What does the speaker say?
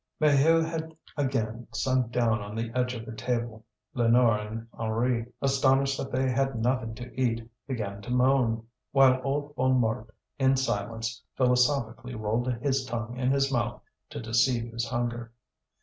Maheu had again sunk down on the edge of the table. Lénore and Henri, astonished that they had nothing to eat, began to moan; while old Bonnemort, in silence, philosophically rolled his tongue in his mouth to deceive his hunger.